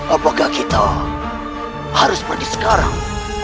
apakah kita harus pergi sekarang